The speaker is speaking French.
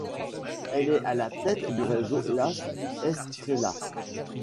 Elle est à la tête du réseau Las Estrellas.